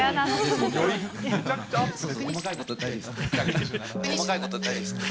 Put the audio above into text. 細かいことは大丈夫です。